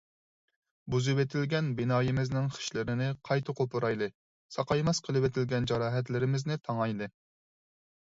بۇزۇۋېتىلگەن بىنايىمىزنىڭ خىشلىرىنى قايتا قوپۇرايلى، ساقايماس قىلىۋېتىلگەن جاراھەتلىرىمىزنى تاڭايلى.